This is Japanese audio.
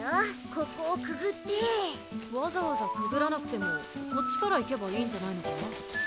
ここをくぐってわざわざくぐらなくてもこっちから行けばいいんじゃないのか？